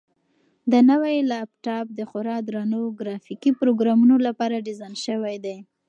دا نوی لپټاپ د خورا درنو ګرافیکي پروګرامونو لپاره ډیزاین شوی دی.